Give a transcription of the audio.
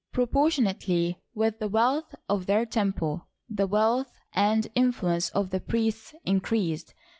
Propor tionately with the wealth of their temple, the wealth and influence of the priests increased.